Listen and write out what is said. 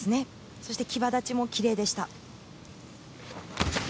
そして騎馬立ちもきれいでした。